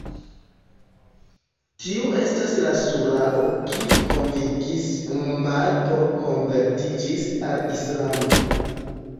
Tiu estas la Surao kiu konvinkis Umar por konvertiĝis al Islamo.